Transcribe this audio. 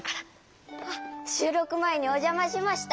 しゅうろくまえにおじゃましました。